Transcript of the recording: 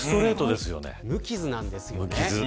無傷なんですよね。